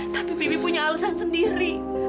tapi bibi punya alasan sendiri